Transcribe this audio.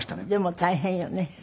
でも大変よね。